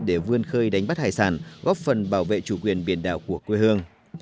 để vươn khơi đánh bắt hải sản góp phần bảo vệ chủ quyền biển đảo của quê hương